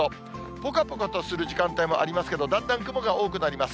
ぽかぽかとする時間帯もありますけれども、だんだん雲が多くなります。